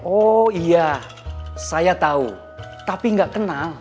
oh iya saya tahu tapi nggak kenal